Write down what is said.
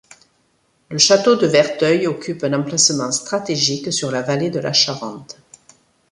Le château de Verteuil, occupe un emplacement stratégique sur la vallée de la Charente.